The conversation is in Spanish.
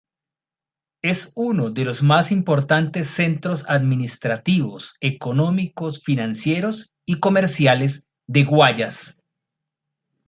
Es uno de los más importantes centros administrativos, económicos, financieros y comerciales de Guayas.